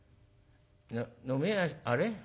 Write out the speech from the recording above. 「飲めやあれ？